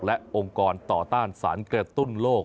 และองค์กรต่อต้านสารกระตุ้นโลก